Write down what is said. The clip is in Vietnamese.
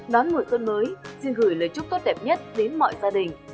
đón mùa xuân mới xin gửi lời chúc tốt đẹp nhất đến mọi gia đình